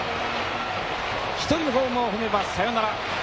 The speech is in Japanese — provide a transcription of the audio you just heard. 一人ホームを踏めばサヨナラ。